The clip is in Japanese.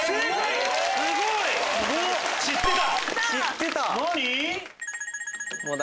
知ってた。